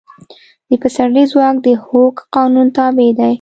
د پسرلي ځواک د هوک قانون تابع دی.